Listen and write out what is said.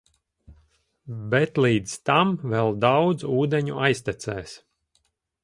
Bet līdz tam vēl daudz ūdeņu aiztecēs.